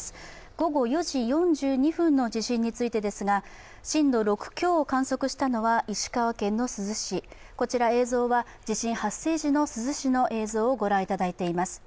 午後２時４２分の地震についてですが震度６強を観測したのは石川県珠洲市こちら、地震発生時の珠洲市の映像をご覧いただいています。